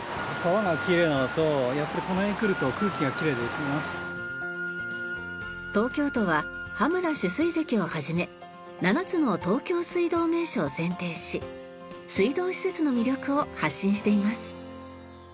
すごい！東京都は羽村取水堰をはじめ７つの東京水道名所を選定し水道施設の魅力を発信しています。